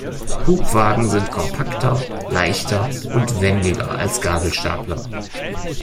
Hubwagen sind kompakter, leichter und wendiger als Gabelstapler.